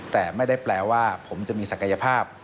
แต่ไม่ได้แปลว่าผมจะมีศักยภาพ